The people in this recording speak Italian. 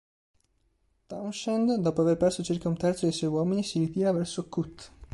Townshend, dopo aver perso circa un terzo dei suoi uomini, si ritira verso Kut.